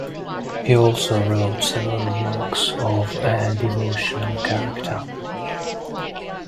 He also wrote several works of a devotional character.